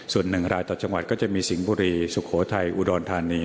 ส่วน๑รายต่อจังหวัดก็จะมีสิงห์บุรีสุโขทัยอุดรธานี